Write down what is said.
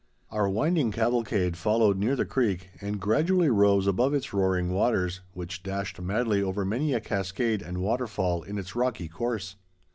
Our winding cavalcade followed near the creek and gradually rose above its roaring waters, which dashed madly over many a cascade and waterfall in its rocky course.